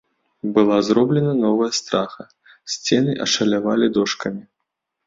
Была зроблена новая страха, сцены ашалявалі дошкамі.